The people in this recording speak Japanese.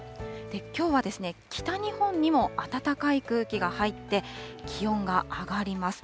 きょうは北日本にも暖かい空気が入って、気温が上がります。